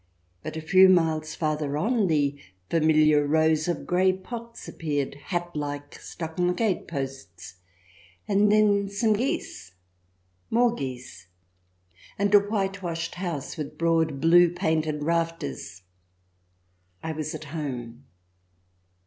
But a few miles farther on the familiar rows of grey pots appeared, hat like, stuck on the gate posts, and then some geese — more geese — and a whitewashed house with broad, blue painted rafters. I was at home.